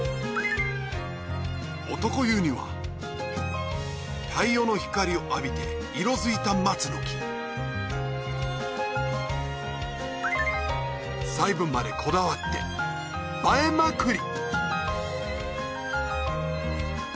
男湯には太陽の光を浴びて色づいた松の木細部までこだわって映えまくり！